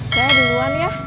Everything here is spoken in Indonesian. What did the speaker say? saya duluan ya